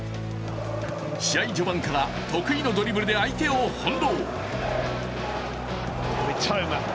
試合序盤から得意のドリブルで相手を翻弄。